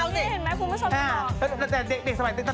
นี่เห็นมั้ยคุณไม่ชนทำไม่เพราะ